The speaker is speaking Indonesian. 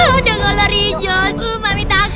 udah gak lari ijo aku mami takut